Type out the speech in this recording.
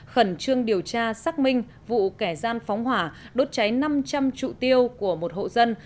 khẩn trương điều tra xác minh vụ kẻ gian phóng hỏa đốt cháy năm trăm linh trụ tiêu của một hộ dân